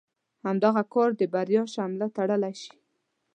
هماغه کار د بريا شمله تړلی شي.